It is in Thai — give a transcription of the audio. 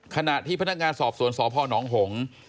ขณะที่พนักงานสอบสวนสอบพอร์หนองหงษ์